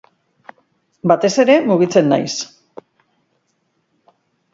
Batez ere, mugitzen naiz.